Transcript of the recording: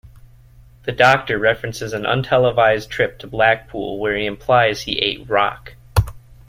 The Doctor references an untelevised trip to Blackpool where he implies he ate rock.